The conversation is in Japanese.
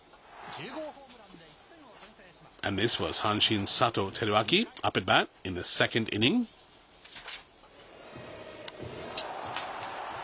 １０号ホームランで１点を先制します。